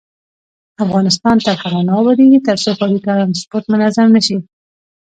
افغانستان تر هغو نه ابادیږي، ترڅو ښاري ترانسپورت منظم نشي.